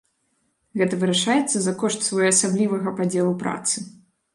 Гэта вырашаецца за кошт своеасаблівага падзелу працы.